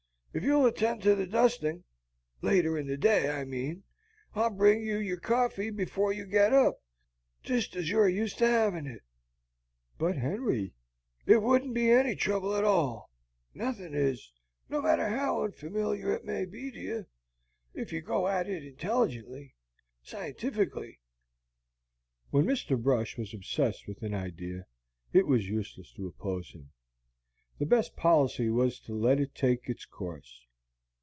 If you'll attend to the dusting later in the day, I mean I'll bring you your coffee before you get up, just as you're used to having it." "But, Henry " "It won't be any trouble at all. Nothing is, no matter how unfamiliar it may be to you, if you go at it intelligently, scientifically." When Mr. Brush was obsessed with an idea, it was useless to oppose him. The best policy was to let it take its course.